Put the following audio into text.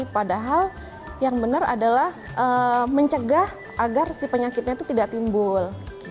padahal yang benar adalah mencegah agar si penyakitnya itu tidak timbul